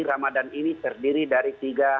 ramadan ini terdiri dari tiga